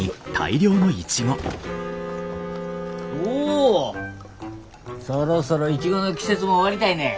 おおそろそろイチゴの季節も終わりたいね。